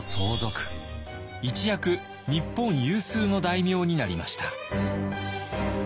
一躍日本有数の大名になりました。